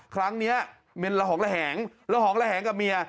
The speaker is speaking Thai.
ครั้งนี้เมนละหองระแหงระหองระแหงกับเมีย